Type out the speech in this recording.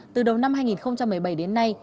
từ đầu năm hai nghìn một mươi bảy đến nay